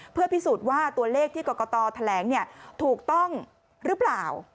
เพื่อพิสูจน์ว่าตัวเลขที่กรกตแถลงถูกต้องหรือเปล่า